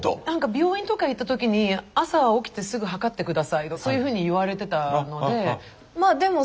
なんか病院とか行ったときに朝起きてすぐ測って下さいとそういうふうに言われてたので。